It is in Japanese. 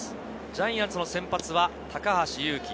ジャイアンツの先発は高橋優貴。